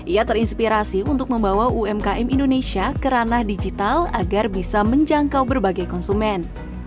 ia terinspirasi untuk membawa umkm indonesia ke ranah digital agar bisa menjangkau berbagai konsumen